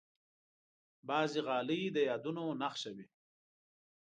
بعضې غالۍ د یادونو نښه وي.